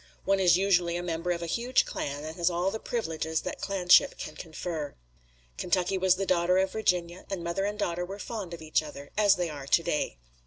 One is usually a member of a huge clan and has all the privileges that clanship can confer. Kentucky was the daughter of Virginia, and mother and daughter were fond of each other, as they are to day.